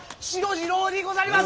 次郎にござります！